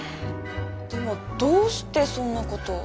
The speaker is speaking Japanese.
でもどうしてそんなこと。